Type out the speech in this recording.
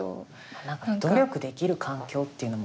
何か努力できる環境っていうのもあるよね。